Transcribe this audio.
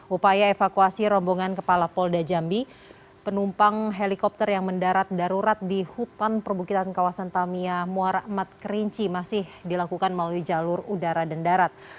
upaya evakuasi rombongan kepala polda jambi penumpang helikopter yang mendarat darurat di hutan perbukitan kawasan tamiya muarmat ⁇ kerinci masih dilakukan melalui jalur udara dan darat